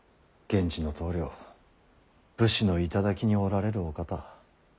源氏の棟梁武士の頂におられるお方。